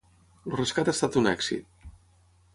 El rescat ha estat un èxit.